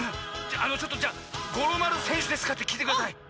ちょっとじゃあ「五郎丸せんしゅですか？」ってきいてください。